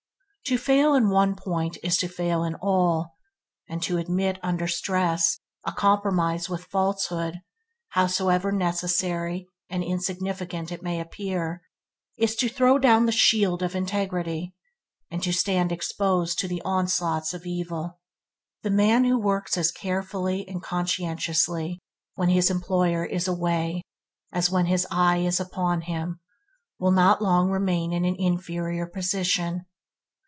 To fail in one point is to fail in all, and to admit, under stress, a compromise with falsehood, howsoever necessary and insignificant it may appear, is to throw down the shield of integrity, and to stand exposed to the onslaughts of evil. The man who works as carefully and conscientiously when his employer is away as when his eye is upon him, will not long remain in an inferior position.